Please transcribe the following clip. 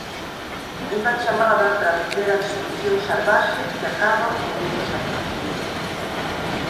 Unha chamada para deter a destrución salvaxe que acaba co mundo salvaxe.